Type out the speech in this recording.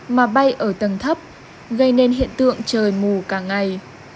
mà bay ở tầng thấp gây nên hiện tượng trời mù cả ngày